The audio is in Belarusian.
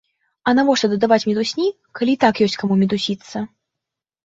А навошта дадаваць мітусні, калі і так ёсць каму мітусіцца?